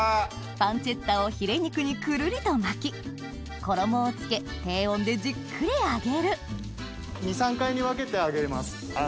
パンチェッタをヒレ肉にくるりと巻き衣をつけ低温でじっくり揚げる２３回に分けて揚げます。